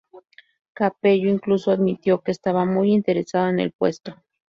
Capello incluso admitió que estaba muy interesado en el puesto.